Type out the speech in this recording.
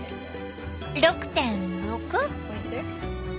６．６？